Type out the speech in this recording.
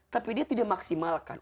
tapi dia tidak maksimalkan